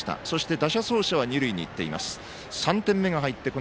打者走者は二塁にいっています。